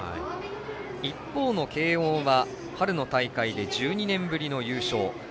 一方の慶応は春の大会で１２年ぶりの優勝。